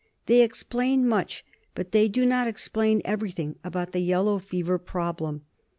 They explain much, but they do not explain everything about the yellow fever problem.